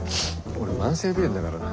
俺慢性鼻炎だからな。